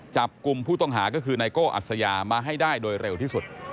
จับกลุ่มผู้ต้องหาก็คือไนโก้อัศยามาให้ได้โดยเร็วที่สุด